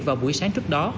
vào buổi sáng trước đó